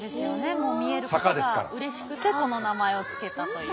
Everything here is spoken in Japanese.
もう見えることがうれしくてこの名前を付けたという。